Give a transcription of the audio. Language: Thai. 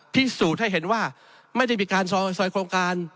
พิสูจน์ให้เห็นว่าไม่ได้มีการซอยโครงการ